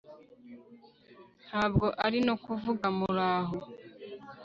Ntabwo ari no kuvuga Muraho